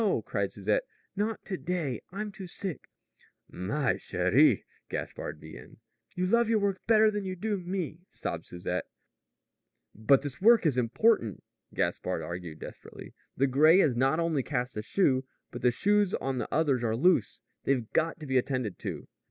cried Susette. "Not to day! I'm too sick." "Mais, chérie," Gaspard began. "You love your work better than you do me," sobbed Susette. "Nom d'un pourceau!" droned Joseph. "But this work is important," Gaspard argued desperately. "The gray has not only cast a shoe, but the shoes on the others are loose. They've got to be attended to.